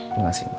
terima kasih mbak